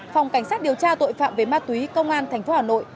phòng cảnh sát điều tra tội phạm về ma túy công an tp hà nội